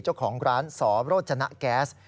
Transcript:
เจ้าของร้านสโรจนะแก๊ส